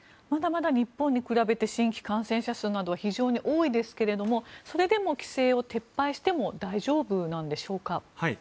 まだまだ日本に比べて新規感染者数などは非常に多いですけれどそれでも規制を撤廃しても大丈夫なんでしょうか。